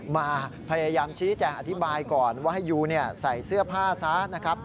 มาพยายามชี้แจงอธิบายก่อนว่าให้ยูใส่เสื้อผ้าซะนะครับ